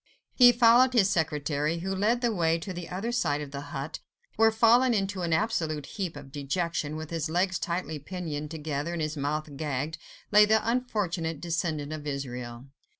He followed his secretary, who led the way to the other side of the hut, where, fallen into an absolute heap of dejection, with his legs tightly pinioned together and his mouth gagged, lay the unfortunate descendant of Israel.